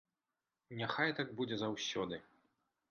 Няхай так будзе заўсёды.